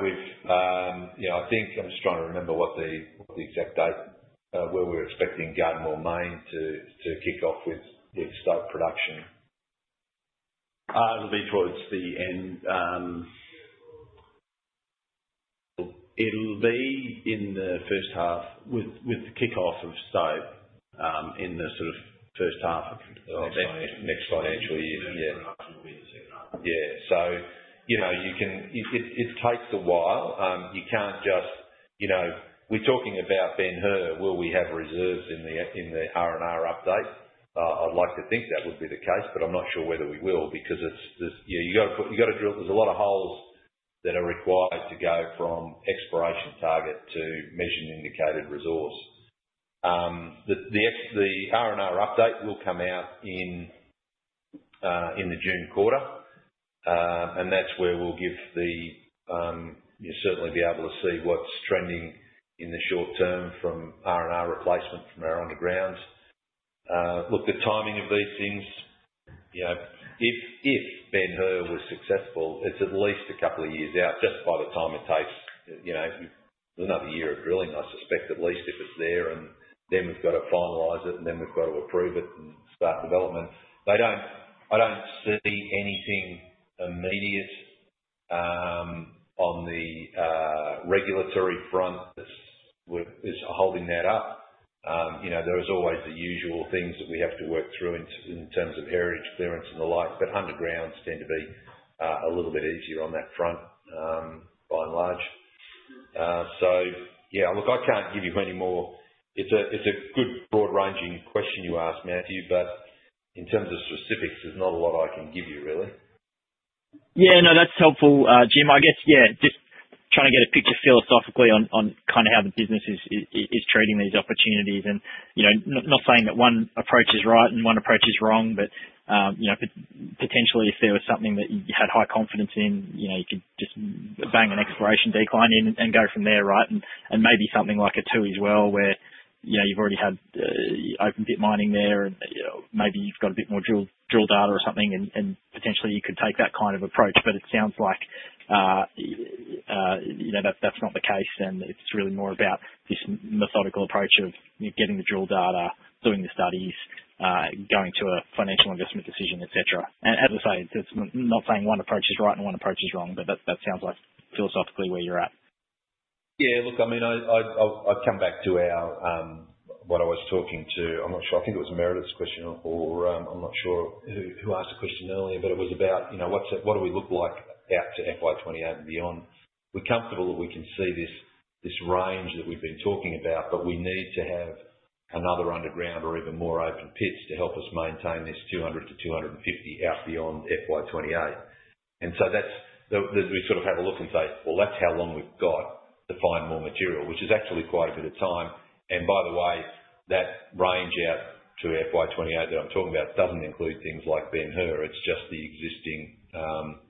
we've, I think, I'm just trying to remember what the exact date where we're expecting Garden Well Main to kick off with stope production. It'll be towards the end. It'll be in the first half with the kickoff of stope in the sort of first half of next financial year. Yeah. So it takes a while. You can't just we're talking about Ben Hur, will we have reserves in the R&R update? I'd like to think that would be the case, but I'm not sure whether we will because you've got to drill. There's a lot of holes that are required to go from Exploration target to measured and indicated resource. The R&R update will come out in the June quarter, and that's where we'll give the you'll certainly be able to see what's trending in the short term from R&R replacement from our undergrounds. Look, the timing of these things, if Ben Hur was successful, it's at least a couple of years out just by the time it takes another year of drilling, I suspect, at least if it's there. And then we've got to finalize it, and then we've got to approve it and start development. I don't see anything immediate on the regulatory front that's holding that up. There are always the usual things that we have to work through in terms of heritage clearance and the like, but undergrounds tend to be a little bit easier on that front by and large. So yeah, look, I can't give you any more. It's a good broad-ranging question you asked, Matthew, but in terms of specifics, there's not a lot I can give you, really. Yeah. No, that's helpful, Jim. I guess, yeah, just trying to get a picture philosophically on kind of how the business is treating these opportunities. And not saying that one approach is right and one approach is wrong, but potentially, if there was something that you had high confidence in, you could just bang an Exploration decline in and go from there, right? And maybe something like a two as well where you've already had open pit mining there, and maybe you've got a bit more drill data or something, and potentially you could take that kind of approach. But it sounds like that's not the case, and it's really more about this methodical approach of getting the drill data, doing the studies, going to a final investment decision, etc. As I say, it's not saying one approach is right and one approach is wrong, but that sounds like philosophically where you're at. Yeah. Look, I mean, I've come back to what I was talking to. I'm not sure. I think it was Meredith's question, or I'm not sure who asked the question earlier, but it was about what do we look like out to FY 2028 and beyond? We're comfortable that we can see this range that we've been talking about, but we need to have another underground or even more open pits to help us maintain this 200 to 250 out beyond FY 2028. And so we sort of have a look and say, "Well, that's how long we've got to find more material," which is actually quite a bit of time. And by the way, that range out to FY 2028 that I'm talking about doesn't include things like Ben Hur. It's just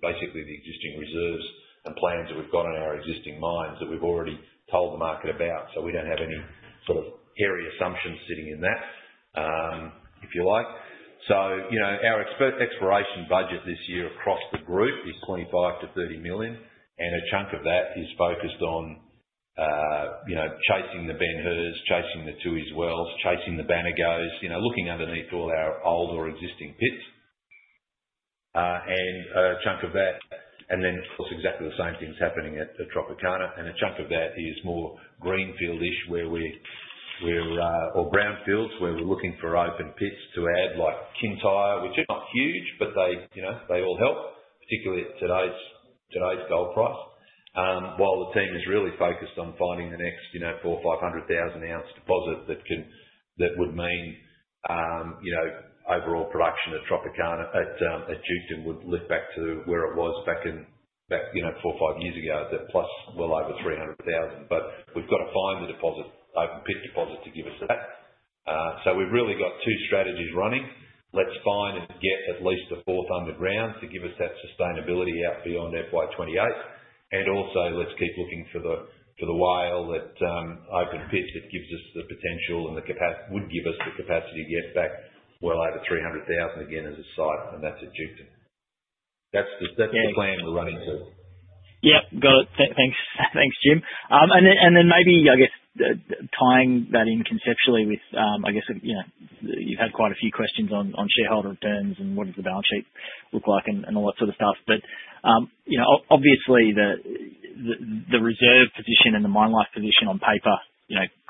basically the existing reserves and plans that we've got in our existing mines that we've already told the market about. So we don't have any sort of hairy assumptions sitting in that, if you like. Our Exploration budget this year across the group is 25-30 million, and a chunk of that is focused on chasing the Ben Hur, chasing the Tooheys Well, chasing the Baneygo, looking underneath all our old or existing pits. A chunk of that, and then of course, exactly the same thing's happening at Tropicana. A chunk of that is more greenfield-ish or brownfields where we're looking for open pits to add like Kintyre, which are not huge, but they all help, particularly at today's gold price. While the team is really focused on finding the next 400,000-500,000 oz deposit that would mean overall production at Tropicana at Duketon would lift back to where it was back in four, five years ago at plus well over 300,000. But we've got to find the pit deposit to give us that. So we've really got two strategies running. Let's find and get at least a fourth underground to give us that sustainability out beyond FY 2028. And also, let's keep looking for the wildcat open pits that gives us the potential and would give us the capacity to get back well over 300,000 again as a site, and that's at Duketon. That's the plan we're running to. Yeah. Got it. Thanks, Jim. And then maybe, I guess, tying that in conceptually with, I guess, you've had quite a few questions on shareholder returns and what does the balance sheet look like and all that sort of stuff. But obviously, the reserve position and the mine life position on paper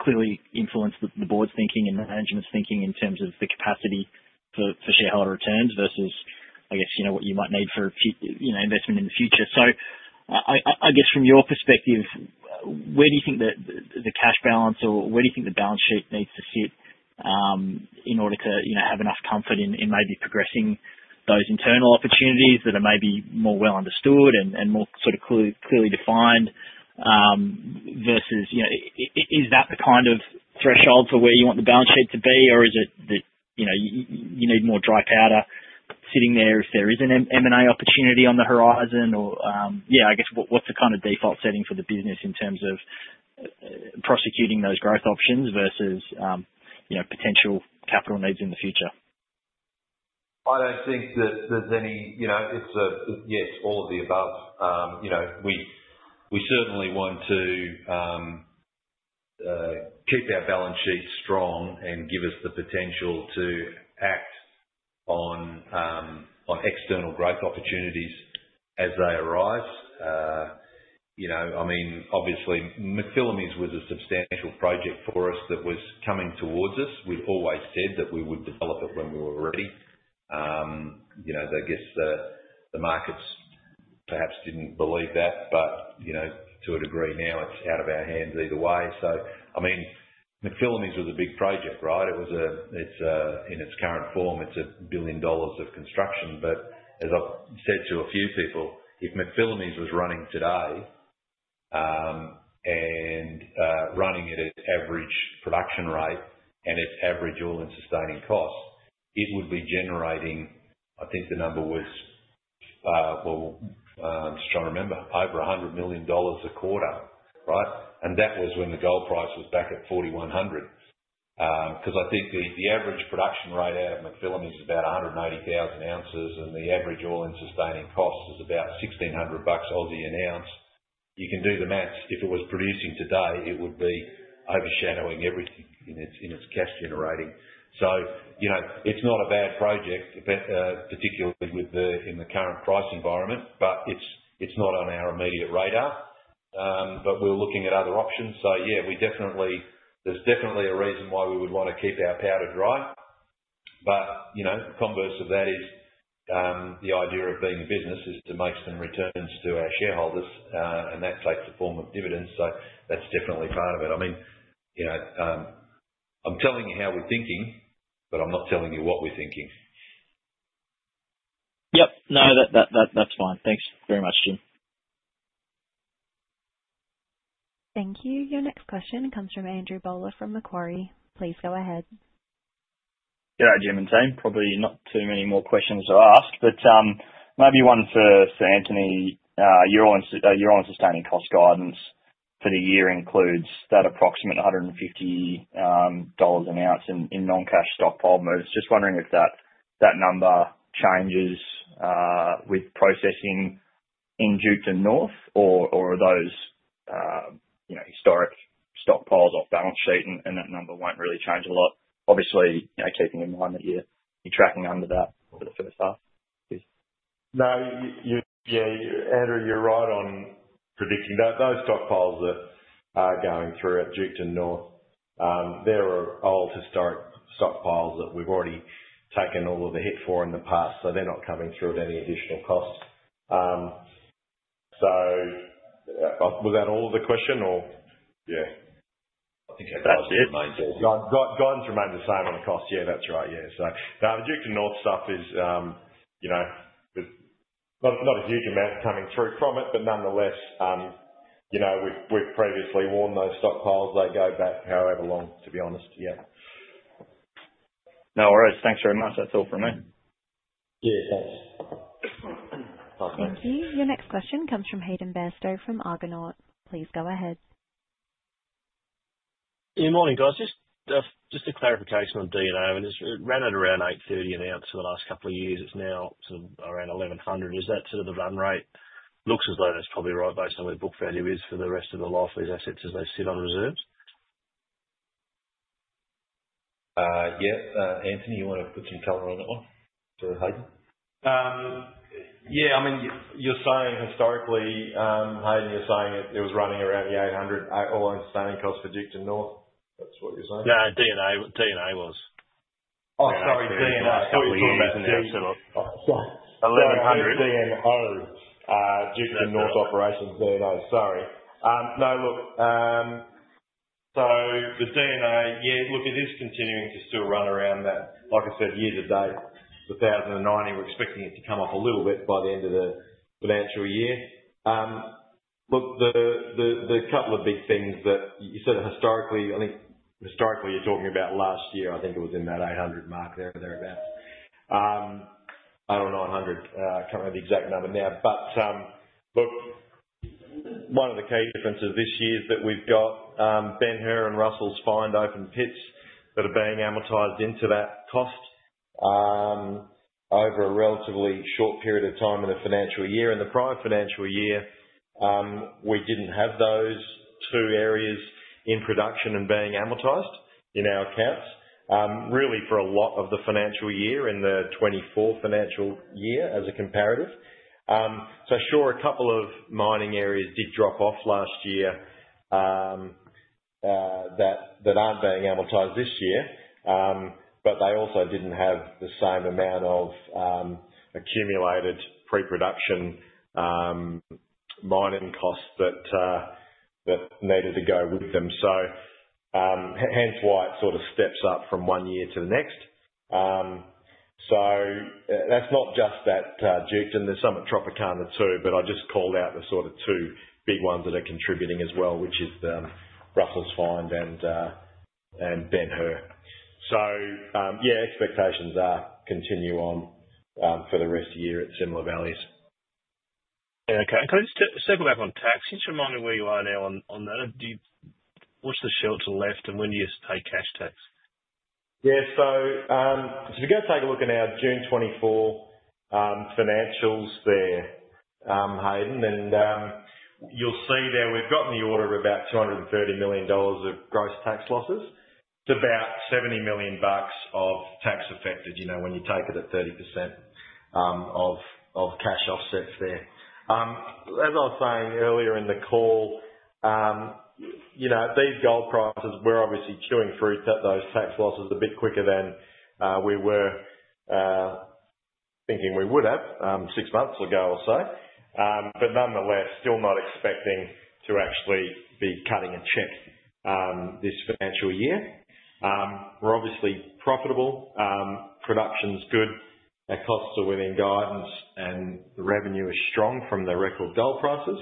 clearly influence the board's thinking and management's thinking in terms of the capacity for shareholder returns versus, I guess, what you might need for investment in the future. So, I guess from your perspective, where do you think that the cash balance or where do you think the balance sheet needs to sit in order to have enough comfort in maybe progressing those internal opportunities that are maybe more well understood and more sort of clearly defined versus is that the kind of threshold for where you want the balance sheet to be, or is it that you need more dry powder sitting there if there is an M&A opportunity on the horizon? Or yeah, I guess what's the kind of default setting for the business in terms of prosecuting those growth options versus potential capital needs in the future? I don't think that there's any, yes, all of the above. We certainly want to keep our balance sheet strong and give us the potential to act on external growth opportunities as they arise. I mean, obviously, McPhillamys was a substantial project for us that was coming towards us. We'd always said that we would develop it when we were ready. I guess the markets perhaps didn't believe that, but to a degree now it's out of our hands either way. So I mean, McPhillamys was a big project, right? In its current form, it's 1 billion dollars of construction. But as I've said to a few people, if McPhillamys was running today and running at its average production rate and its average all-in sustaining cost, it would be generating, I think the number was, I'm just trying to remember, over 100 million dollars a quarter, right? That was when the gold price was back at 4,100. Because I think the average production rate out of McPhillamys is about 180,000 oz, and the average all-in sustaining cost is about 1,600 bucks an ounce. You can do the math. If it was producing today, it would be overshadowing everything in its cash generating. So it's not a bad project, particularly in the current price environment, but it's not on our immediate radar. But we're looking at other options. So yeah, there's definitely a reason why we would want to keep our powder dry. But converse of that is the idea of being a business is to make some returns to our shareholders, and that takes the form of dividends. So that's definitely part of it. I mean, I'm telling you how we're thinking, but I'm not telling you what we're thinking. Yep. No, that's fine. Thanks very much, Jim. Thank you. Your next question comes from Andrew Bowler from Macquarie. Please go ahead. Yeah, Jim and team, probably not too many more questions to ask, but maybe one for Anthony. Your all-in sustaining cost guidance for the year includes that approximate $150 an ounce in non-cash stockpile. I was just wondering if that number changes with processing in Duketon North, or are those historic stockpiles off balance sheet, and that number won't really change a lot? Obviously, keeping in mind that you're tracking under that for the first half, please. No, yeah, Andrew, you're right on predicting those stockpiles that are going through at Duketon North. There are old historic stockpiles that we've already taken all of the hit for in the past, so they're not coming through at any additional cost. So was that all of the question, or? Yeah. I think that's it. Guidance remains the same on the cost. Yeah, that's right. Yeah. So Duketon North stuff is not a huge amount coming through from it, but nonetheless, we've previously worn those stockpiles. They go back however long, to be honest. Yeah. No worries. Thanks very much. That's all from me. Yeah, thanks. Thank you. Your next question comes from Hayden Bairstow from Argonaut. Please go ahead. Good morning, guys. Just a clarification on D&A. When it ran at around 830 an ounce for the last couple of years, it's now sort of around 1,100. Is that sort of the run rate? Looks as though that's probably right based on where book value is for the rest of the life of these assets as they sit on reserves. Yeah. Anthony, you want to put some color on that one for Hayden? Yeah. I mean, you're saying historically, Hayden, you're saying it was running around the 800, all-in sustaining cost for Duketon North. That's what you're saying? No, D&A was. Oh, sorry. D&A. DNO, Duketon North Operations. DNO. Sorry. No, look, so the D&A, yeah, look, it is continuing to still run around that, like I said, year-to-date, 2019. We're expecting it to come up a little bit by the end of the financial year. Look, the couple of big things that you said historically, I think historically you're talking about last year, I think it was in that 800 mark there or thereabouts. I don't know 100, can't remember the exact number now. But look, one of the key differences this year is that we've got Ben Hur and Russell's Find open pits that are being amortized into that cost over a relatively short period of time in the financial year. In the prior financial year, we didn't have those two areas in production and being amortized in our accounts really for a lot of the financial year in the 2024 financial year as a comparative. So sure, a couple of mining areas did drop off last year that aren't being amortized this year, but they also didn't have the same amount of accumulated pre-production mining costs that needed to go with them. So hence why it sort of steps up from one year to the next. So that's not just that Duketon. There's some at Tropicana too, but I just called out the sort of two big ones that are contributing as well, which is Russell's Find and Ben Hur. So yeah, expectations continue on for the rest of the year at similar values. Okay. Can I just circle back on tax? You should remind me where you are now on that. What's the shelter left and when do you take cash tax? Yeah. So if you go take a look at our June 2024 financials there, Hayden, and you'll see there we've got in the order of about 230 million dollars of gross tax losses. It's about 70 million bucks of tax affected when you take it at 30% of cash offsets there. As I was saying earlier in the call, these gold prices, we're obviously chewing through those tax losses a bit quicker than we were thinking we would have six months ago or so. But nonetheless, still not expecting to actually be cutting a check this financial year. We're obviously profitable. Production's good. Our costs are within guidance, and the revenue is strong from the record gold prices,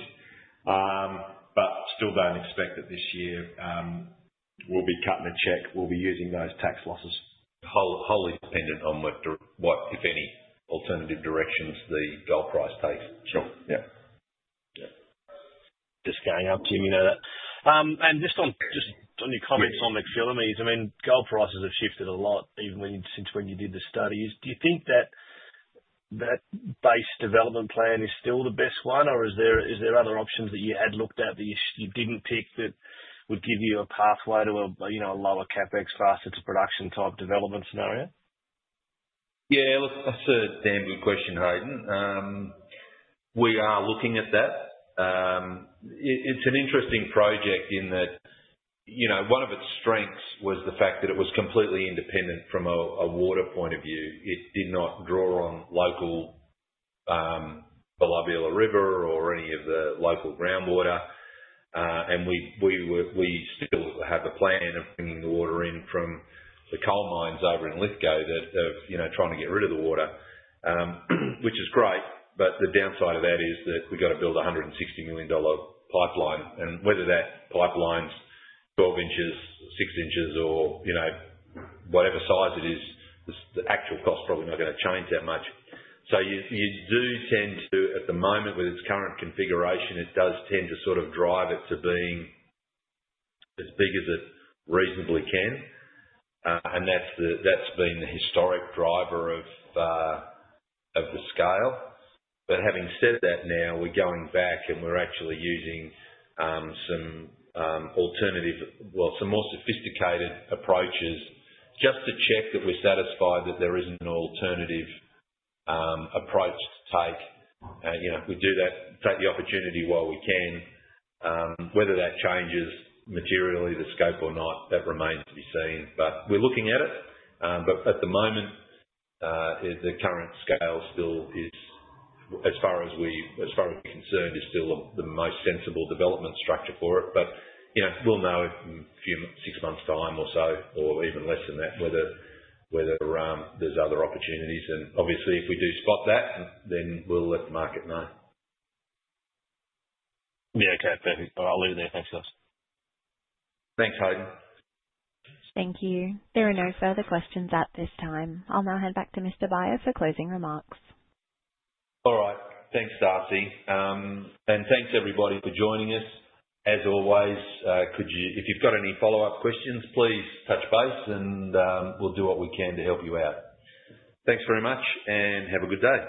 but still don't expect that this year we'll be cutting a check. We'll be using those tax losses. Wholly dependent on what, if any, alternative directions the gold price takes. Sure. Yeah. Just going up, Jim, you know that. And just on your comments on McPhillamys, I mean, gold prices have shifted a lot since when you did the studies. Do you think that base development plan is still the best one, or is there other options that you had looked at that you didn't pick that would give you a pathway to a lower CapEx faster to production type development scenario? Yeah. Look, that's a damn good question, Hayden. We are looking at that. It's an interesting project in that one of its strengths was the fact that it was completely independent from a water point of view. It did not draw on local Belubula River or any of the local groundwater. And we still have a plan of bringing the water in from the coal mines over in Lithgow that are trying to get rid of the water, which is great. But the downside of that is that we've got to build a 160 million dollar pipeline. And whether that pipeline's 12 in, 6 in, or whatever size it is, the actual cost is probably not going to change that much. So you do tend to, at the moment, with its current configuration, it does tend to sort of drive it to being as big as it reasonably can. And that's been the historic driver of the scale. But having said that, now we're going back and we're actually using some alternative, well, some more sophisticated approaches just to check that we're satisfied that there isn't an alternative approach to take. We do that, take the opportunity while we can. Whether that changes materially the scope or not, that remains to be seen. But we're looking at it. But at the moment, the current scale still is, as far as we're concerned, still the most sensible development structure for it. But we'll know in six months' time or so, or even less than that, whether there's other opportunities. And obviously, if we do spot that, then we'll let the market know. Yeah. Okay. I'll leave it there. Thanks, guys. Thanks, Hayden. Thank you. There are no further questions at this time. I'll now hand back to Mr. Beyer for closing remarks. All right. Thanks, Darcy. And thanks, everybody, for joining us. As always, if you've got any follow-up questions, please touch base, and we'll do what we can to help you out. Thanks very much, and have a good day.